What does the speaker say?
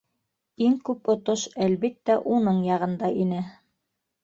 Иң күп отош, әлбиттә, уның яғында ине.